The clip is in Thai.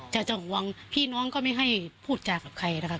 จะจังหวังพี่น้องก็ไม่ให้พูดจากใครนะคะ